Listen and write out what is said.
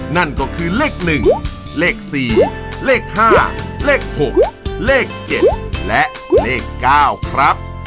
นั่นก็คือเลข๑เลข๔เลข๕เลข๖เลข๗และเลข๙ครับ